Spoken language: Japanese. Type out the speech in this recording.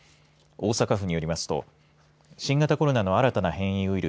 大阪府によりますと新型コロナの新たな変異ウイル